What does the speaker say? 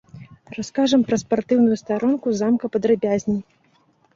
Раскажам пра спартыўную старонку замка падрабязней.